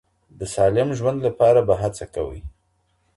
د سالم ژوند لپاره به هڅه کوئ.